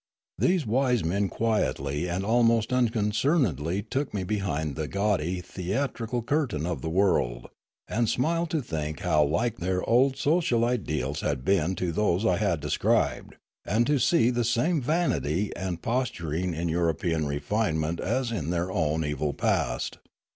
These wise men quietly and almost unconcernedly took me behind the gaudy theatrical curtain of the world, and smiled to think how like their old social ideals had been to those I had described, and to see the same vanity and postur ing in European refinement as in their own evil past.